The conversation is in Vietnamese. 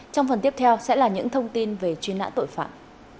trong phần tiếp theo sẽ là những thông tin về truy nã tội phạm